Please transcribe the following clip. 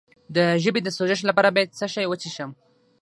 د ژبې د سوزش لپاره باید څه شی وڅښم؟